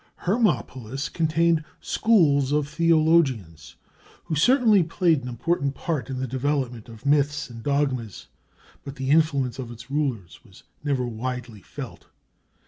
Hermopolis contained schools of theologians who certainly played an important part in the development of myths and dogmas; but the influence of its rulers was never widely felt.